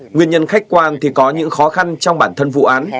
nguyên nhân khách quan thì có những khó khăn trong bản thân vụ án